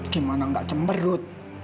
gimana nggak cemberut